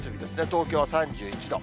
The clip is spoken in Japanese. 東京は３１度。